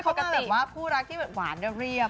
เขาว่าผู้รักที่เลือดหวานเดี้ยวเรียบ